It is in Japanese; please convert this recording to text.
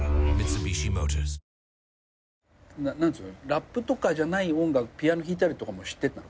ラップとかじゃない音楽ピアノ弾いたりとかもしてたの？